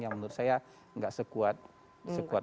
yang menurut saya nggak sekuat